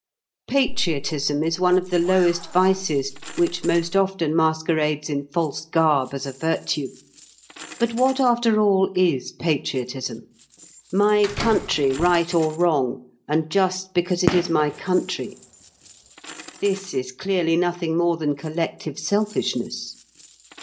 Patriotism is the one of these lowest vices which most often masquerades in false garb as a virtue. But what after all is patriotism? "My country, right or wrong, and just because it is my country!" This is clearly nothing more than collective selfishness.